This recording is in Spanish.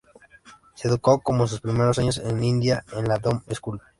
Se educó en sus primeros años en India en la Doon School.